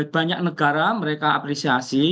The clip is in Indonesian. banyak negara mereka apresiasi